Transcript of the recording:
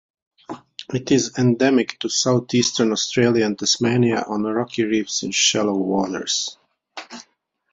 It is endemic to southeastern Australia and Tasmania on rocky reefs in shallow waters.